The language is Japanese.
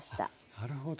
なるほど。